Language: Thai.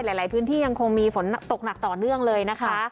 หลายพื้นที่ยังคงมีฝนตกหนักต่อเนื่องเลยนะคะ